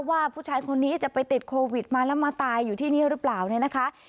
ว่าผู้ชายคนนี้จะไปติดโควิดมาแล้วมาตายอยู่ที่นี่หรือเปล่าเนี่ยนะคะ